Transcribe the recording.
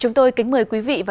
mà nghĩa là mộtette